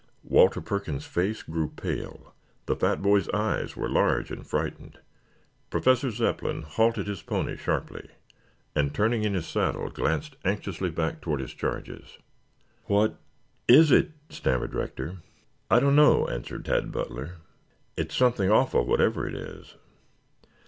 Walter Perkins' face grew pale, the fat boy's eyes were large and frightened. Professor Zepplin halted his pony sharply and turning in his saddle glanced anxiously back toward his charges. "What is it?" stammered Rector. "I don't know," answered Tad Butler. "It's something awful, whatever it is."